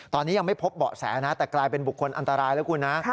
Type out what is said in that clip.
ตอนนี้ยังไม่พบเบาะแสนะแต่กลายเป็นบุคคลอันตรายแล้วคุณนะ